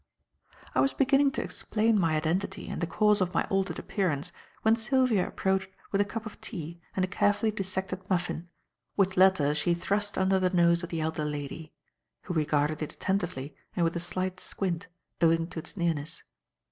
I was beginning to explain my identity and the cause of my altered appearance, when Sylvia approached with a cup of tea and a carefully dissected muffin, which latter she thrust under the nose of the elder lady; who regarded it attentively and with a slight squint, owing to its nearness.